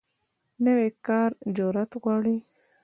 نوی کار جرئت غواړي